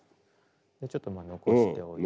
ちょっとまあ残しておいて。